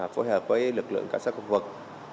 phối hợp với lực lượng cảnh sát khu vực